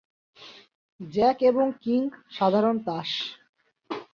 Jack এবং king সাধারণ তাস।